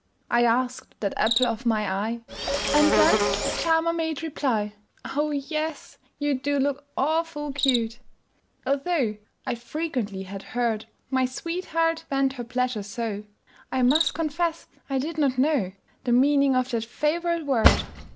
I asked that apple of my eye And then the charmer made reply, "Oh, yes, you do look awful cute!" Although I frequently had heard My sweetheart vent her pleasure so, I must confess I did not know The meaning of that favorite word.